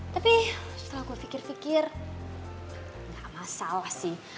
tapi setelah gue pikir pikir enggak masalah sih